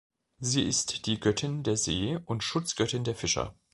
Sie ist die Göttin der See und Schutzgöttin der Fischer.